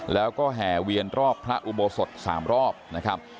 แล้วก็แห่เวียนรอบพระอุโบสถ๓รอบนะครับ